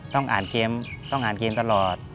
ต้องอ่านเกมต้องอ่านเกมตลอด